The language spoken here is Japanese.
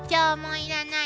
要らない。